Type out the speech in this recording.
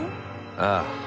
ああ。